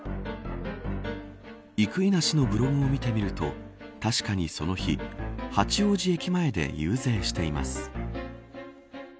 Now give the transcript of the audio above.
生稲氏のブログを見てみると確かにその日、八王子駅前で遊説しています。